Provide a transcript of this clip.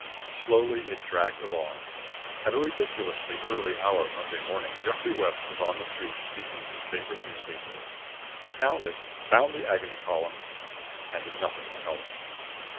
Slowly it dragged along. At a ridiculously early hour Monday morning Geoffrey West was on the street, seeking his favorite newspaper. He found it, found the Agony Column and nothing else.